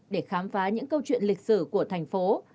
để khám phá những câu chuyện lịch sử của thành phố